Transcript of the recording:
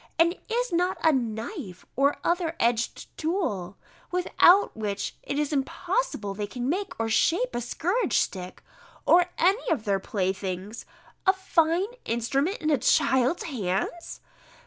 and is not a knife, or other edged tool, without which it is impossible they can make or shape a scourge stick, or any of their playthings, a fine instrument in a child's hands!